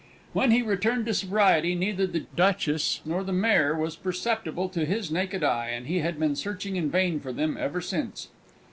When he returned to sobriety neither the Duchess nor the mare was perceptible to his naked eye, and he had been searching in vain for them ever since.